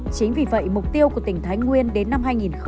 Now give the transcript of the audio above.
chính vì vậy mục tiêu của tỉnh thái nguyên đến năm hai nghìn ba mươi